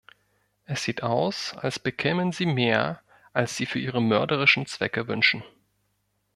Es sieht aus, als bekämen sie mehr, als sie für ihre mörderischen Zwecke wünschen.